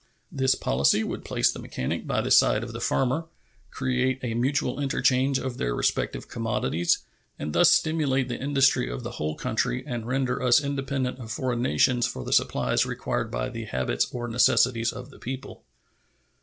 This policy would place the mechanic by the side of the farmer, create a mutual interchange of their respective commodities, and thus stimulate the industry of the whole country and render us independent of foreign nations for the supplies required by the habits or necessities of the people.